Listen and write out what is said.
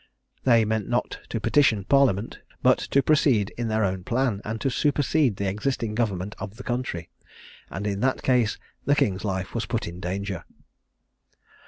They meant not to petition Parliament, but to proceed in their own plan, and to supersede the existing government of the country: and, in that case, the king's life was put in danger.